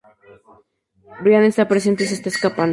Brian está presente y se está escapando".